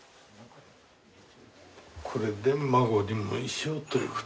これで馬子にも衣装ということ。